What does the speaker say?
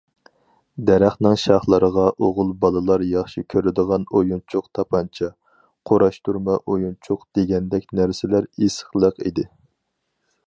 دەرەخنىڭ شاخلىرىغا ئوغۇل بالىلار ياخشى كۆرىدىغان ئويۇنچۇق تاپانچا، قۇراشتۇرما ئويۇنچۇق دېگەندەك نەرسىلەر ئېسىقلىق ئىدى.